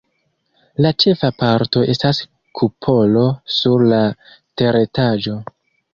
La ĉefa parto estas kupolo sur la teretaĝo.